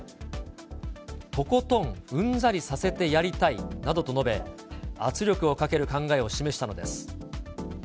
とことんうんざりさせてやりたいなどと述べ、圧力をかける考えを示したのです。